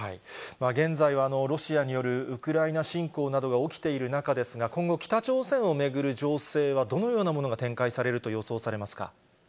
現在はロシアによるウクライナ侵攻などが起きている中ですが、今後、北朝鮮を巡る情勢はどのようなものが展開されると予想されますか？